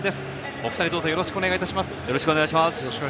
お二人どうぞよろしくお願いします。